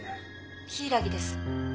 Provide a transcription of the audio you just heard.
柊木です。